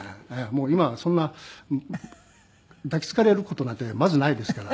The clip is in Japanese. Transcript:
もう今はそんな抱きつかれる事なんてまずないですから。